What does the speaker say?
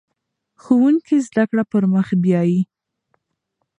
ښوونکی زده کړه پر مخ بیايي.